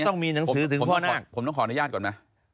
ต้องมีหนังสือถึงพ่อหน้าผมต้องขอนุญาตก่อนมั้ย